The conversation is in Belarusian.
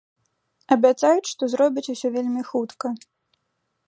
Абяцаюць, што зробяць усё вельмі хутка.